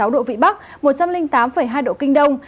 hai mươi sáu độ vĩ bắc một trăm linh tám hai độ kinh đông